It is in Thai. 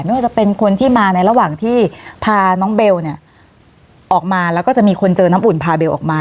ไม่ว่าจะเป็นคนที่มาในระหว่างที่พาน้องเบลเนี่ยออกมาแล้วก็จะมีคนเจอน้ำอุ่นพาเบลออกมา